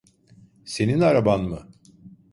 Senin araban mı?